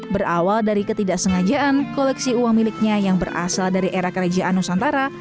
berawal dari ketidaksengajaan koleksi uang miliknya yang berasal dari era kerajaan nusantara